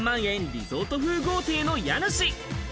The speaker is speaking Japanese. リゾート風豪邸の家主。